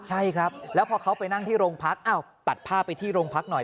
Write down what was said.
ใช่ครับแล้วพอเขาไปนั่งที่โรงพักอ้าวตัดภาพไปที่โรงพักหน่อย